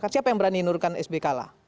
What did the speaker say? siapa yang berani nurkan sby kalah